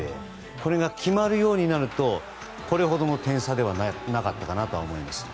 これが決まるようになるとこれほどの点差ではなかったかなと思います。